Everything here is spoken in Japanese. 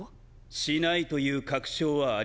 しないという確証はありません。